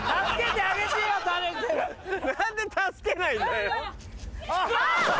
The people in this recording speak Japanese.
何で助けないんだよ。